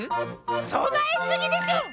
そなえすぎでしょ！